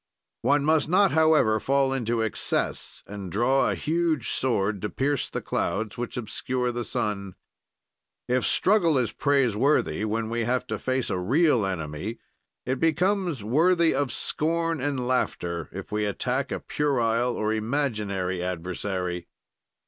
"One must not, however, fall into excess and draw a huge sword to pierce the clouds, which obscure the sun. "If struggle is praiseworthy when we have to face a real enemy, it becomes worthy of scorn and laughter if we attack a puerile or imaginary adversary.